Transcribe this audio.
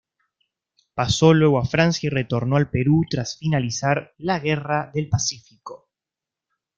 Pasó luego a Francia y retornó al Perú tras finalizar la guerra del Pacífico.